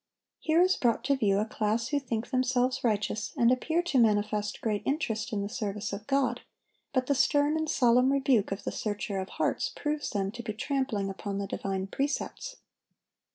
(765) Here is brought to view a class who think themselves righteous, and appear to manifest great interest in the service of God; but the stern and solemn rebuke of the Searcher of hearts proves them to be trampling upon the divine precepts.